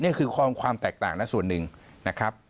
นี่คือความแตกต่างนะส่วนหนึ่งนะครับ